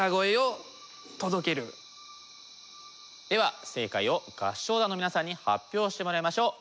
では正解を合唱団の皆さんに発表してもらいましょう。